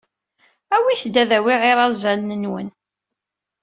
Awit-d ad awiɣ irazalen-nwen.